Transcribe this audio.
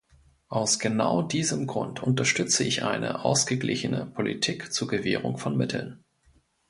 Aus genau diesem Grund unterstütze ich eine ausgeglichene Politik zur Gewährung von Mitteln.